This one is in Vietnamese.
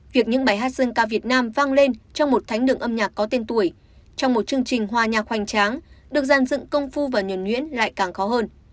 việc những bài hát dân ca việt nam vang lên trong một thánh đựng âm nhạc có tên tuổi trong một chương trình hoa nhạc hoành tráng được dàn dựng công phu và nhuẩn nguyễn lại càng khó hơn